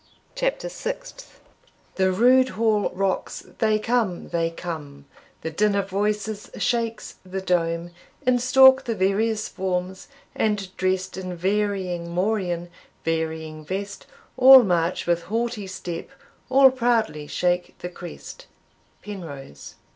CHAPTER SIXTH. The rude hall rocks they come, they come, The din of voices shakes the dome; In stalk the various forms, and, drest In varying morion, varying vest, All march with haughty step all proudly shake the crest. Penrose.